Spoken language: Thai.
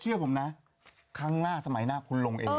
เชื่อผมนะครั้งหน้าสมัยหน้าคุณลงเอง